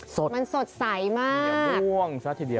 สดมันสดใสมากมีอ่ะหว่อซะทีเดียว